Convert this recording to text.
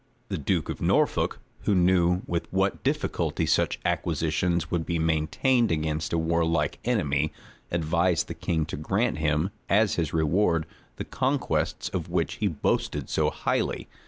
The duke of Norfolk, who knew with what difficulty such acquisitions would be maintained against a warlike enemy, advised the king to grant him, as his reward, the conquests of which he boasted so highly.